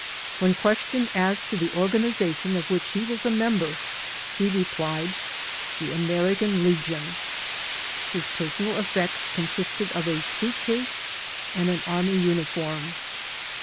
When questioned as to the organization of which he was a member, he replied, "The American Legion." His personal effects consisted of a suitcase and an Army uniform.